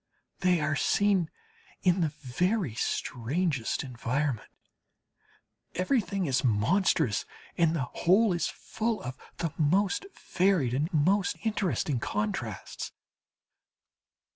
They are seen in the very strangest environment everything is monstrous, and the whole is full of the most varied and most interesting contrasts.